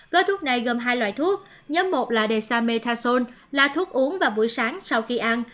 gói thuốc này gồm hai loại thuốc nhóm một là desa metason là thuốc uống vào buổi sáng sau khi ăn